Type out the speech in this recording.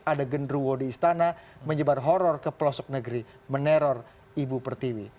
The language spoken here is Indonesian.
ada genruwo di istana menyebar horror ke pelosok negeri meneror ibu pertiwi